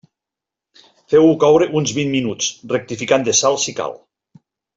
Feu-ho coure uns vint minuts, rectificant de sal si cal.